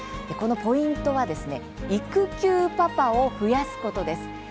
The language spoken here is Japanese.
このポイントは育休パパを増やすことです。